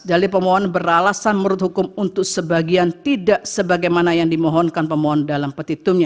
dalil pemohon beralasan menurut hukum untuk sebagian tidak sebagaimana yang dimohonkan pemohon dalam petitumnya